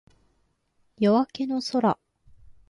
夜明けの空